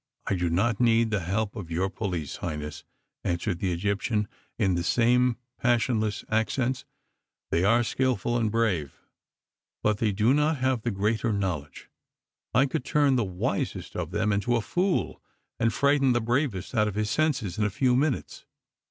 "I do not need the help of your police, Highness," answered the Egyptian, in the same passionless accents. "They are skilful and brave, but they have not the Greater Knowledge. I could turn the wisest of them into a fool, and frighten the bravest out of his senses in a few minutes.